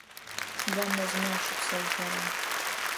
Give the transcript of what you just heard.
Сыда мэзмэ ащыпсэухэрэр?